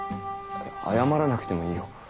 謝らなくてもいいよ。